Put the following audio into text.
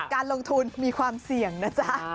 การลงทุนมีความเสี่ยงนะจ๊ะ